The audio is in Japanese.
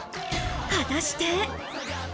果たして。